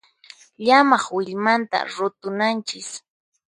Llamaq willmanta rutunanchis.